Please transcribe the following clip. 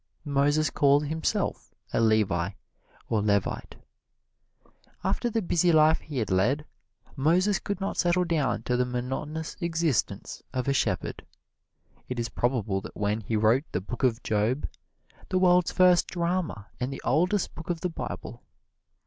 Moses calls himself a Levi, or Levite. After the busy life he had led, Moses could not settle down to the monotonous existence of a shepherd. It is probable that then he wrote the Book of Job, the world's first drama and the oldest book of the Bible.